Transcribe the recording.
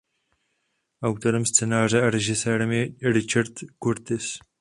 Autorem scénáře a režisérem je Richard Curtis.